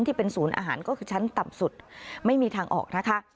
ที่เป็นศูนย์อาหารก็คือชั้นต่ำสุดไม่มีทางออกนะคะ